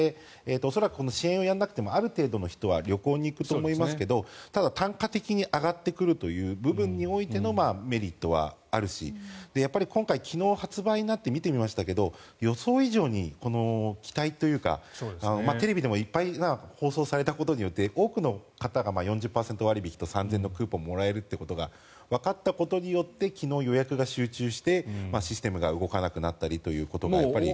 恐らくこの支援をやらなくてもある程度の人は旅行に行くと思いますけどただ、単価的に上がってくるという部分においてのメリットはあるし今回、昨日発売になって見てみましたが予想以上にこの期待というかテレビでもいっぱい放送されたことで多くの方が４０％割引きと３０００円のクーポンをもらえることがわかったことによって昨日予約が集中してシステムが動かなくなったということもあり。